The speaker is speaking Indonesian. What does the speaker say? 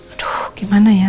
aduh gimana ya